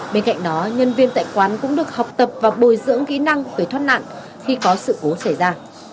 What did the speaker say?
bên cạnh đó nhân viên tại quán cũng được học tập và bồi dưỡng kỹ năng về thoát nạn khi có sự cố xảy ra